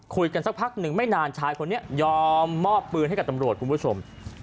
สักพักหนึ่งไม่นานชายคนนี้ยอมมอบปืนให้กับตำรวจคุณผู้ชม